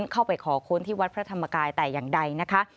ขอค้นที่วัดพระธรรมกายแต่อย่างใดนะคะ